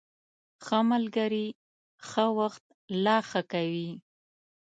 ښه ملګري ښه وخت لا ښه کوي.